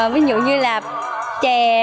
ví dụ như là chè